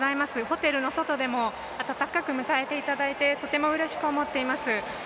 ホテルの外でも温かく迎えていただいて、とてもうれしく思っています。